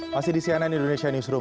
masih di cnn indonesia newsroom